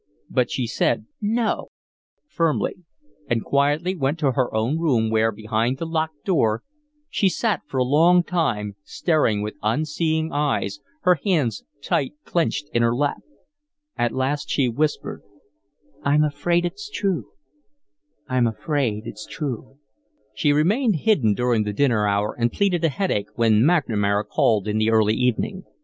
But she said "No" firmly, and quietly went to her own room, where, behind the locked door, she sat for a long time staring with unseeing eyes, her hands tight clenched in her lap. At last she whispered: "I'm afraid it's true. I'm afraid it's true." She remained hidden during the dinner hour, and pleaded a headache when McNamara called in the early evening.